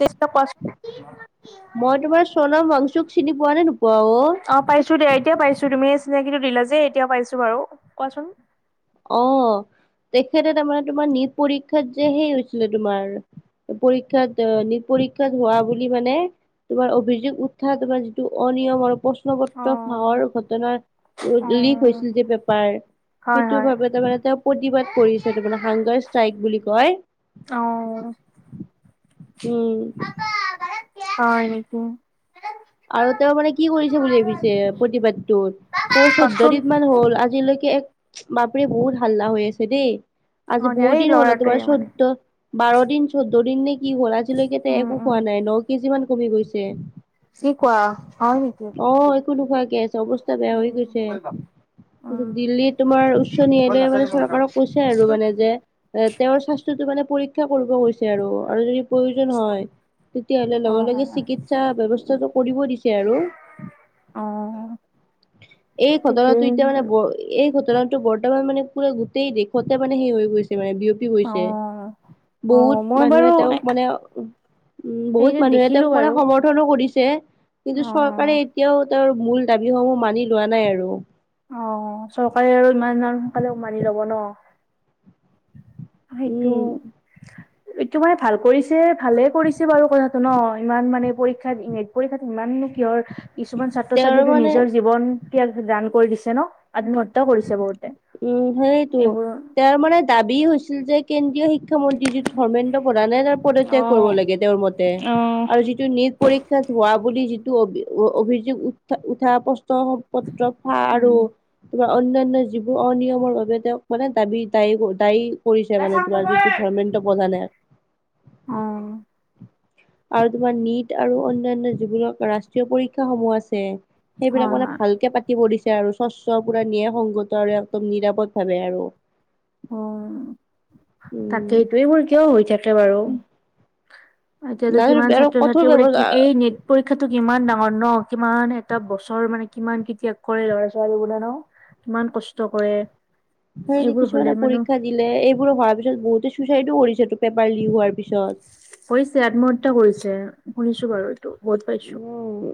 তেইছটা কোৱাচোন মই তোমাৰ চনাম ৱাংচুক চিনি পোৱা নে নোপোৱা অ পাইছো দে এতিয়া পাইছো তুমি চিনাকিটো দিলা যে এতিয়া পাইছো বাৰু কোৱাচোন অ তেখেতে তাৰমানে তোমাৰ নিট পৰীক্ষাত যে সেই হৈছিলে তোমাৰ পৰীক্ষাত অ নেট পৰীক্ষাত হোৱা বুলি মানে তোমাৰ অভিযোগ উত্থাত তোমাৰ যিটো অনিয়ম আৰু প্ৰ শ্ন অ পত্ৰ ফাহৰ ঘটনাৰ অ লিক হৈছিল যে পেপাৰ হয় টো হয় ভাৱে তাৰমানে তেওঁ প্ৰতিবাদ কৰিছে তাৰমানে হাংগাৰ ষ্ট্ৰাইক বুলি কয় অ উম। হয় নেকি আৰু তেওঁ মানে কি কৰিছে বুলি ভাবিছে প্ৰতিবাদটোত তেওঁ চৈধ্য কোৱাচোন দিন মান হল আজিলৈকে এক বাপৰে বহুত হাল্লা হৈ আছে দেই অ আজি দিয়া বহু এই দিন হল এ ল'ৰাটোৱে তোমাৰ চ মানে ত বাৰ দিন চৈধ্য দিন নে কি হ'ল আজিলৈকে তে উম একো উম খোৱা নাই ন কেজিমান কমি গৈছে কি কোৱা হয় নেকি অ একো নোখোৱাকে আছে অৱস্থা বেয়া উম হৈ গৈছে দিল্লী তোমাৰ উচ্চ ন্যায়ালয়ে মানে চৰকাৰক কৈছে আৰু মানে যে এ তেওঁৰ স্বাস্থ্যতো মানে পৰীক্ষা কৰিব গৈছে আৰু আৰু যদি প্ৰয়োজন হয় তেতিয়াহলে অ লগে লগে অ চিকিৎসা ব্যৱস্থাটো কৰিব দিছে আৰু অ এই ঘটনাটো ঠিকেই এতিয়া মানে বাৰু বৰ এই ঘটনাটো বৰ্তমান মানে পুৰা গোটেই দেশতে মানে সেই হৈ গৈছে মানে বিয় পি অ গৈছে অ বহুত মই মানুহে বাৰু তেওঁক মানে উম বহুত হেৰিত মানুহে দেখিলো তেওঁক মানে বাৰু সমৰ্থনো কৰিছে কিন্তু অ চৰকাৰে এতিয়াও তাৰ মূল দাবীসমূহ মানি লোৱা নাই আৰু অ চৰকাৰে আৰু ইমান সোনকালে মানি লব ন সেইটো উম তোমাৰ ভাল কৰিছে ভালে কৰিছে বাৰু কথাটো ন ইমান মানে পৰীক্ষাত পৰীক্ষাত ইমাননো কিহৰ কিছুমান ছাত্ৰ তেওঁৰ ছাত্ৰ্ৰীো মানে নিজৰ জীৱন ত্যাগ দান কৰি দিছে ন আত্মহতা কৰিছে বহুতে উম সেইটো এইবোৰ তেওঁৰ মানে দাবী হৈছিল যে কেন্দ্ৰীয় শিক্ষ শিক্ষমন্ত্ৰী যি ধৰ্মেন্দ্ৰ প্ৰধানে তাৰ অ পদত্যাগ কৰিব লাগে তেওঁৰ মতে অ আৰুি নিট পৰীক্ষাত হোৱা বুলি যিটো অ অভিযোগ উঠ উঠা প্ৰশ্ন পত্ৰক আৰু উম তোমাৰ অনন্য়ানয় যিবোৰ অনিয়মৰ বাবে তেওঁক মানে দাবী দায়ী দায়ী কৰিছে অ মানে তোমাৰ যিটো ধৰ্মে্ৰ প্ৰধানে অ আৰু তোমাৰ নীট আৰু অনয়ান্য যীবনক ৰাষ্ট্ৰীয় পৰীক্ষা সমূহ আছে সেইবিলাক হয় মানে হয় ভালকে পাতি পৰিছে আৰু স্বচ্ছ পুৰা নিয়ে সংগত আৰু একদম নিৰাপদ ভাৱে আৰু অ উম তাকেইটোৱেই মোৰ কিয় হৈ থাকে বাৰু এতিয়াতো নাই কিমান আৰু ছাত্ৰ কঠোৰ ছাত্ৰী বোৰে কি ব্যৱস্থা এই নেট পৰীক্ষাটো কিমান ডাঙৰ ন কিমান এটা বছৰ মানে কিমান কেতিয়া কৰে ল'ৰা ছোৱালী বোান কিমান কষ্ট কৰে হয় এইবোৰ হলে কিছুমানানে মানে পীক্ষা দিলে এইবোৰো ভাৰ পিছত বহুতে চুইছাইডো কৰিছেটো পেপাৰ লিক হোৱাৰ পিছত কৰিছে আত্মহত্যা কৰিছে শুনিছো বাৰু বহত উম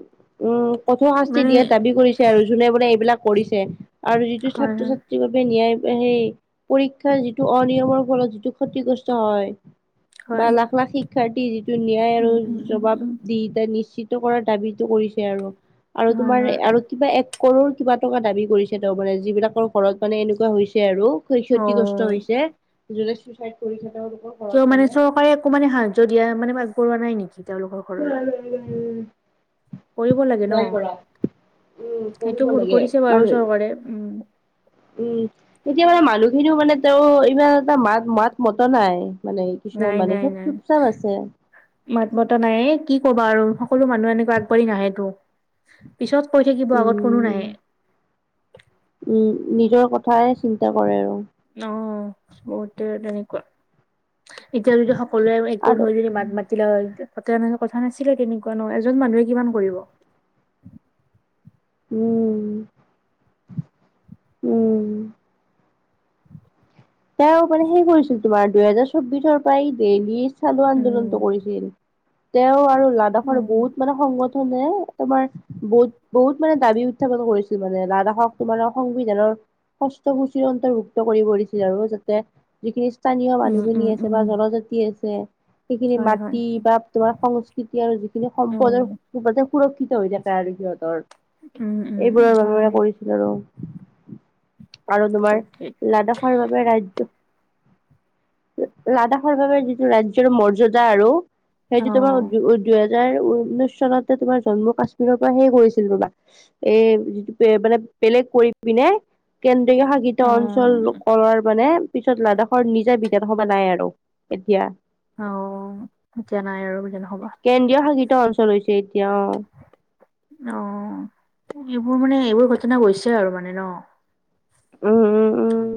উম কঠোৰ শাস্তি মানে দিয়াত দাবী কৰিছে আৰু যোনে বোনে এইবিলাক কৰিছে আৰু যিটো হয় ছাত্ৰ হয় ছাত্ৰীৰ বাবে নায় সেই পৰীক্ষাৰ যিটো অনিয়মৰ ফলত যিটো ক্ষতিগ্ৰস্ত হয় হয় বা লাখ লাখ শিক্ষাৰ্থী যিটো ন্যায় আৰু উম উম উম জবাব উম দি এয়া নিশ নিশ্চিত কৰাৰ দাবীটো কৰিছে আৰু আৰু হয় তোমাৰ হয় আৰু কিবা এক কৰৰ কিবা টকা দাবী কৰিছে তেওঁ মানে যিবিলাকৰ ঘৰত মানে এনেকুৱা হৈছে আৰু অ ক্ষতিগ্ৰস্ত হৈছে যনে চুচাইড কৰিছে তেওঁলোকক কিয় মানে চৰকাৰে একো মানে সাহায্য দিয়া মানে আগবঢ়োৱা নাই নেকি তেওঁলোকৰ ঘৰলৈ উম কৰিব লাগে ন নাই কৰা উম সেইটো পঢ়িব ভুল লাগে কৰিছে বাৰু মানুহ চৰকাৰে উম উম তেতিয়া মানে মানুহখিনিও মানে তেওঁ ইমান এটা মাত মাত মত নাই মানে কিছুমান নাই মানে নাই চব নাই চুপ চাপ আছে মাত বতা নাই কি কবা আৰু সকলো মানুহ এনেকা আগবাঢ়ি নাহেটোো পিছত কৈ থাকিব আগত কোনো উম নাহে উম নিজৰ কথাই চিন্তা কৰে আৰু অ বট নকুৱোৱা এতিয়া যদি সকলোৱে একো আৰু হৈ যদি মাত মাতি পতিা প ম কথা নাছিলে তেনেকুৱা নো এজন মানুহে কিমান কৰিব উম উম তেওঁ মানে সেই কৰিছিল তোমাৰ দুহেজাৰ চৌবিশৰ পৰাই দিললি চালু আন্দোলনটো কৰিছিল তেওঁ আৰু লাডাখৰ বহুত মানে সংগঠনে তোমাৰ বহুত বহুত মানে দাবী উত্থাপন কৰিছিল মানে লাডাখক তোমাৰে সংবিধানৰ সষ্টভুচিৰ অন্তৰ্ভুক্ত কৰি কৰি ছিল আৰু যাতে যিখিনি স্থানীয় মানুহখিনি আছে বা জনজাতি আছে সেইখিনি মাটি বা তোমাৰ সংস্কৃতি আৰু যিখিনি সম্পদৰ সুৰক্ষিত হৈ থাকে আৰু সিহঁতৰ এইবোৰৰ বাবে মানে কৰি আৰু আৰু তোমাৰ লাডাখৰ বাবে ৰাজ্য লাডাখৰ বাবে যিটো ৰাজ্যৰ মৰ্যদা আৰু সেইটো তোমাৰ দুহেজাৰ ঊনৈশ চনতে তোমাৰ জন্মু কাশ্মীৰৰ পৰা সেই কৰিছিল ৰবা এই যিটো মানে বেলেগ কৰি পিনে কেন্দ্ৰীয় শাসিত অঞ্চল কৰাৰ মানে পিছত লাডাখৰ নিজা বি বিধানসভা নাই আৰু এতিয়া অ এতিয়া নাই আৰু বিধানসভা কেন্দ্ৰীয় শাসিত অঞ্চল হৈছে এতিয়া অ অ এইবোৰ মানে এইবোৰ ঘটনা গৈছে আৰু মানে ন উম উম উম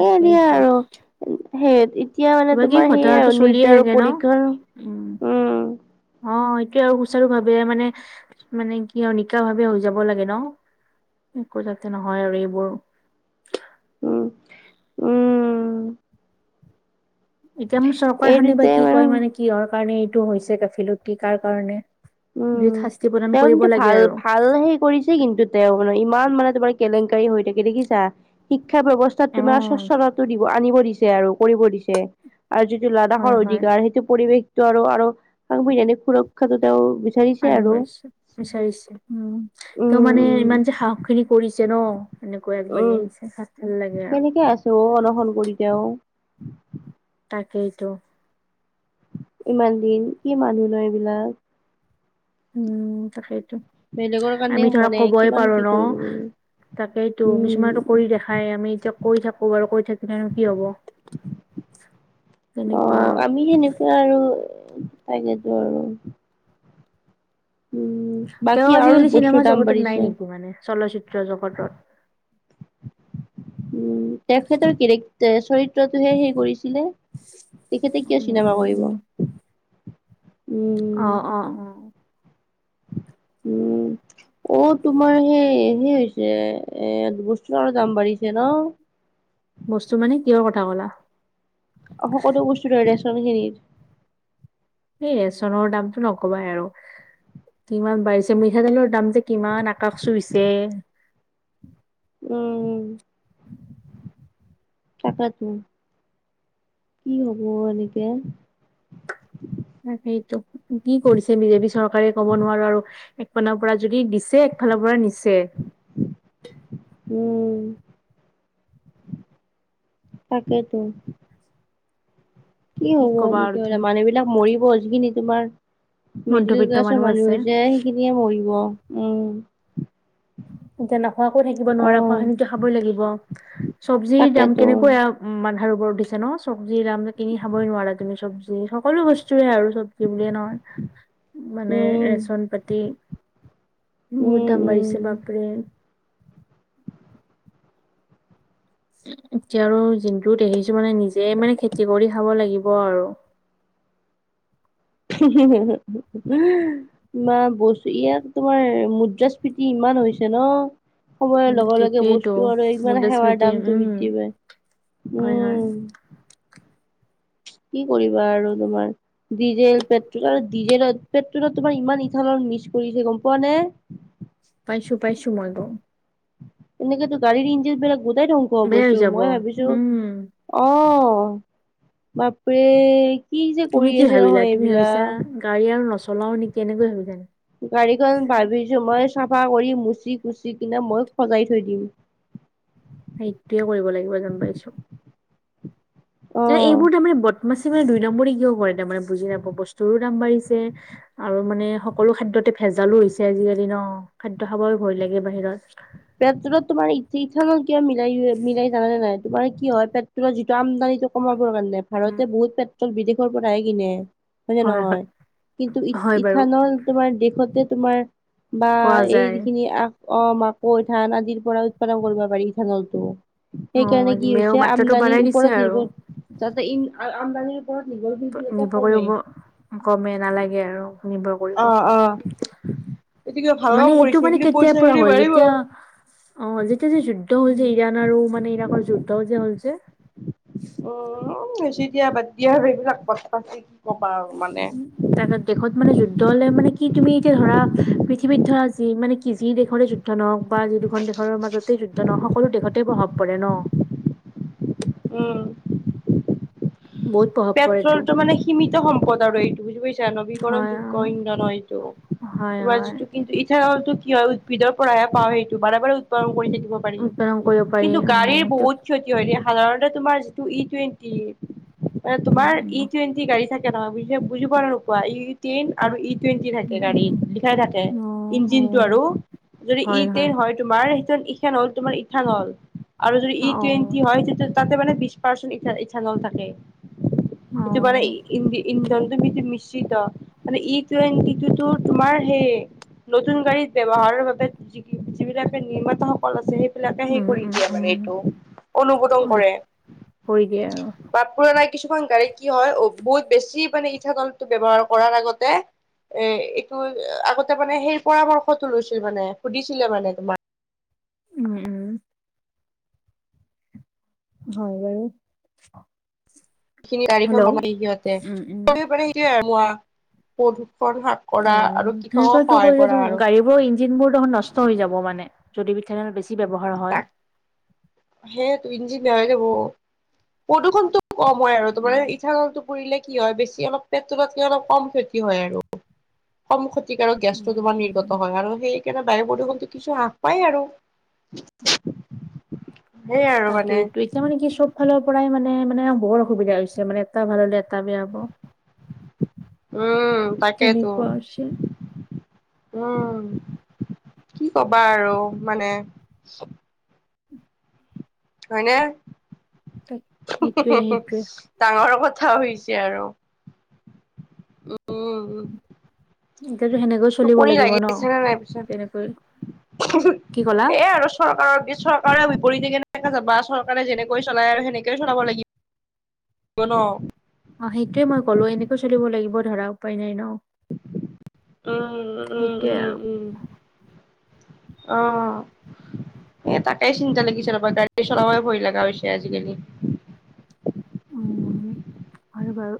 এ দিয়া আৰু সেই এতিয়া মানে কিবা কিবি তোমাৰ সেইয়া ঘটনাটো আৰু চলিয়ে নিট আৰু থাকে ন পৰীক্ষাৰ উম অ এইটোৱে আৰু সুচাৰু ভাৱে মানে মানে কি আৰু নিকা ভাবে হৈ যাব লাগে ন একো যাতে নহয় আৰু এইবোৰ উম উম এতিয়া মোৰ এই চৰকাৰখনে বা দুটাই কি কয় মানে কিহৰ কাৰণে এইটো হৈছে গাফিলতি কাৰ কাৰণে বিধ উম শাস্তি প্ৰদান তেওঁ কৰিব কিন্তু লাগে ভাল আৰু ভাল সেই কৰিছে কিন্তু তেওঁ মানে ইমান মানে তোমাৰ কেলেংকাৰী হৈ থাকে দেখিছা শিক্ষা ব্যৱস্থাত অ তোমাৰ স্বচ্ছতাটো দিব আনিব দিছে আৰু কৰিব দিছে আৰু যিটো হয় লাডাখৰ হয় অধিকাৰ সেইটো পৰিৱেশটো আৰু আৰু আগ বিৰিনী সুৰক্ষা যে তেওঁৰ আগ বাঢ়িছে বিচাৰিছে উম ত উম মানে উম ইমান যে সাহস খিনি কৰিছে ন এনেকুৱাই আগবাঢ়ি আহিছে ভাল লাগে আৰু তেওঁ অনসন কৰি তেওঁ তাকেইতো ইমান দিন কি মানুহ ন এইবিলাক উম তাকেইটো বেলেগৰ কাৰণে আমি ধৰা মানে কবই কিমান পাৰো কি ন কৰিব তাকেইতো উম কিছুমানতো কৰি দেখাই আমি এতিয়া কৈ থাকো বাৰু কৈ থাকিলেনো কি হব অ তেনেকুৱা আৰু আমি সেনেকুৱা আৰু তাকেইতো আৰু উম, তেওঁ বাকী আৰু আজিকালি চিনেমা বস্তুৰ দাম জগতত বাঢ়িছে। নাই নেকি মানে চলচ্চিত্ৰ জগতত উম তেখেতৰ কেৰেক্টাৰ চৰিত্ৰটোহে সেই কৰিছিলে তেখেতে কিয় উম চিনেমা উম কৰিব উম অ উম, অ অ উম অ তোমাৰ সেই সেই হৈছে এ বস্তু আৰু দাম বাঢ়িছে ন বস্তু মানে কিহৰ কথা ক'লা সকলো বস্তু ধৰে ৰেচন খিনিৰ এই ৰেচনৰ দামটো নকমাই আৰু কিমান বাঢ়িছে মিঠাতেলৰ দাম যে কিমান আকাশ চুইছে উম'। তাকেটো, কি হ'ব এনেকে? তাকেইতো, কি কৰিছে বিজেপি চৰকাৰে ক'ব নোৱাৰোঁ আৰু। একপানৰ পৰা যদি দিছে, একফালৰ পৰা নিছে। উম', তাকেইতো। কি হ'ব কবা আৰু এনেকে হলে? তুমি মানুহবিলাক মৰিব, যিখিনি তোমাৰ মিডিল মধ্যবিত্ত ক্লাছৰ মানুহ আছে হৈছে, সেইখিনিয়ে মৰিব, উম। এতিয়া নাখোৱাকৈ থাকিব নোৱাৰা, অ' খোৱা-খিনিটো খাবই লাগিব। চব্জিৰ দাম তাকেতো। কেনেকুৱা আও? উম, মাথাৰ ওপৰত উঠিছে ন, চব্জি দাম যে কিনি খাবই নোৱাৰা তুমি চব্জি, সকলো বস্তুৰে আৰু চব্জি বুলিয়ে নহয়। [unintelligible] মানে, উম, ৰেচন-পাতি বহুত উম, দাম উম। বাঢ়িছে, বাপৰে! এতিয়া আৰু যোনটো দেখিছোঁ মানে, নিজে মানে খেতি কৰি খাব লাগিব আৰু। [unintelligible] ইমান বস্তু, ইয়াত তোমাৰ মুদ্ৰাস্ফীতি ইমান হৈছে ন? সময়ৰ উম, লগ-লগে সেইটোৱেইটো বস্তু আৰু ইমান সেৱাৰ মুদ্ৰাস্মৃতি দামটো উম, বৃদ্ধি পায়। হয়, হয়, উম'। কি কৰিবা আৰু তোমাৰ? ডিজেল, পেট্ৰ'ল আৰু ডিজেলত, পেট্ৰ'লত তোমাৰ ইমান ইথানল মিছ কৰিছে, গম পোৱা নে? পাইছোঁ পাইছোঁ, মই বাও। এনেকেতো গাড়ীৰ ইঞ্জিনবিলাক গোটেই ধ্বংস বেয়া হৈ হ'বছো, যাব মই ভাবিছো উম, অ', বাপৰে! কি যে তুমি কৰি কি আছে ভাবিলা নহয় তুমি ভাবিছা এইবিলাক! গাড়ী আৰু নচলাও নেকি, এনেকৈ ভাবি থাকে। গাড়ীখন ভাবিছোঁ, মই চাফা কৰি মুচি-কুচি কিনে মই সজাই থৈ দিম। এইটোয়ে কৰিব লাগিব, গম পাইছোঁ। এ, অ', এইবোৰ তাৰমানে বদমাচি মানে দুই নম্বৰী কিয় কৰে, তাৰমানে বুজি নাপাওঁ। বস্তুৰো দাম বাঢ়িছে। আৰু মানে সকলো খাদ্যতে ভেজালো হৈছে আজিকালি ন, খাদ্য খাবই ভয় লাগে বাহিৰত। পেট্ৰ'লত তোমাৰ ইথানল কিয় মিলাই মিলাই, জানানে নাই? তোমাৰ কি হয় পেট্ৰ'লৰ যিটো আমদানি কমাবৰ কাৰণে। ভাৰতে উম, বহুত পেট্ৰ'ল বিদেশৰ পৰাহে কিনে। হয় নে নহয়, কিন্তু হয়, বাৰু ই-ইথানল তোমাৰ দেশতে তোমাৰ বা পোৱা যায় এইখিনি আ-অমাক কৈ-থান আদিৰ পৰা উৎপাদন কৰিব পাৰি ইথানলটো। সেইকাৰণে অ', কি মেয়ৰ হৈছে, মাত্ৰাটো আমদানিৰ বাঢ়াই দিছে ওপৰত আৰু নিৰ্ভৰ যাতে আমদানিৰ ওপৰত নিজৰ [unintelligible] কমে গমে নালাগে আৰু, নিৰ্ভৰ কৰিব। অ', অ'। মানে, কিবা ভাল কাম এইটো কৰিছে মানে এইখিনি পইচা কেতিয়াৰ পৰা খিনি হ'ল বাঢ়িব। এতিয়া অ', যেতিয়া যে যুদ্ধ হ'ল যে, উম ইৰাণ আৰু মানে ইৰাকৰ যুদ্ধ যে হল যে উম' বেছি দিয়া, বাদ দিয়া আৰু সেইবিলাক কথা কি কবা আৰু মানে। তাৰ দেশত মানে যুদ্ধ হলে মানে, কি তুমি এতিয়া ধৰা পৃথিৱীত ধৰা যি মানে, কি যি দেশৰে যুদ্ধ নহওক বা যি দুখন দেশৰ মাজতেই যুদ্ধ নহওক সকলো দেশতেই প্ৰভাৱ পৰে ন। উম। বহুত প্ৰভাৱ পৰেতো পেট্ৰ'লটো মানে সীমিত সম্পদ আৰু এইটো বুজি পাইছা, হয় নবীকৰণযোগ্য অ ইন্ধনৰ এইটো হয়। হয় যিটো কিন্তু ইথানলটো কি হয়, উদ্ভিদৰ পৰাহে পাওঁ। সেইটো বাৰে বাৰে উৎপাদন কৰি থাকিব পাৰি, উৎপাদন কৰিব পাৰি কিন্তু উম গাড়ীৰ সেইটো বহুত ক্ষতি হয় দিয়া, সাধাৰণতে তোমাৰ যিটো ই-টুৱেন্টি এ উম তোমাৰ ই টুৱেণ্টি গাড়ী থাকে নহয় বুছে বুজিব নোপোৱা ই টেইন আৰু ই টুৱেণ্টি উম থাকে উম গাড়ীত উম লিখাই থাকে অ অ ইঞ্জিন টো আৰু যদি ইটেন হয়। তোমাৰ সেই ইখান হ'ল তোমাৰ ইথান হল আৰু যদি ই টুৱেণ্টি অ হয় তেতিয়া তাতে মানে বিশ পাৰ্চেন ইথান'ল থাকে ইটো মানে অ ইন্ধন তুমি মিশ্ৰিত মানে ই টুইনটি ইটো তোমাৰ সেই নতুন গাড়ীত ব্যৱহাৰৰ বাবে যিবিলাকে নিৰ্মাত সকল আছে সেই বিলাকে উম, সেই কৰি উম, দিয়ে মানে উম, এইটো অনুমোদন কৰি কৰে কৰি দিয়ে আৰু বা পুৰণা কিছুমান গাড়ী কি হয় বহুত বেছি মানে ইঠা দলটো ব্যৱহাৰ কৰাৰ আগতে এ এইটো আগতে মানে সেই পৰামৰ্শটো লৈছিল মানে সুধিছিলে মানে তোমাৰ উম, উম। হয় বাৰু। খিন গাড়ীখন হেল্ল' বন [unintelligible] সিহতে উম, উম, কৰিব প স পধু অ', সেনেক তো কৰিলে ত গাড়ীবোৰো দিনবোৰ দেখোন নষ্ট হৈ যাব মানে যদি ইঠানল বেছি ব্যৱহাৰ হয়। সেই তো ইঞ্জিন হৈ যাব প্ৰদূষণতটো কম হয় আৰু উম। তোমাৰ ইথান'ল লে কি হয় বেছি অলপ পেট্ৰল'তকৈ অলপ কম ক্ষতি হয় আৰু ক্ষতিকাৰক গেছটো উম, তোমাৰ উম, নিৰ্গত হয় আৰু সেইকাৰণে বায়ু প্ৰদূষণতো কিছু হ্ৰাস পায় আৰু। [inaudible] আৰু তাকেটো মানে এইটো এতিয়া মানে কি চব ফালৰ পৰাই মানে, মানে বৰ অসুবিধা হৈছে মানে এটা ভাল হ'লে এটা বেয়া হ'ব। [inaudible] উম তাকেইেতো। তেনেকুৱা হৈছে উম কি কবা আৰু মানে। হয়নে। [inaudible] সেইটোয়ে [unintelligible] ডাঙৰ কথা হৈছে আৰু উ উম উ। এতিয়াতো সেনেকৈ চলিব টোপনি লাগিব লাগিছে ন নাই পিছত তেনেকৈ কি ক'লা? এ আৰু চৰকাৰক চৰকাৰে বিপৰীতে কেনে যাবা চৰকাৰে যেনেকৈ চলাই আৰু সেনেকে চলাব লাগিব। কোনো। অ', সেইটোয়ে মই ক'লো এনেকৈ চলিব লাগিব ধৰা উপায় নাই ন। উ উম, সেইটোয়ে উম, আৰু উম। অ'। এ তাকাই চিন্তা লাগিছে ৰপা গাড়ীতো চলাব ভয় লগা হৈছে আজিকালি। উম হয় বাৰু।